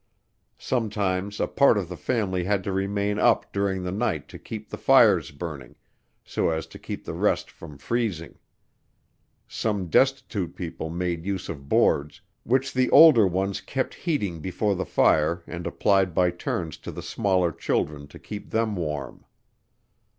Sometimes a part of the family had to remain up during the night to keep the fires burning, so as to keep the rest from freezing. Some destitute people made use of boards, which the older ones kept heating before the fire and applied by turns to the smaller children to keep them warm.